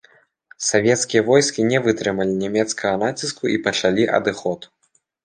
Савецкія войскі не вытрымалі нямецкага націску і пачалі адыход.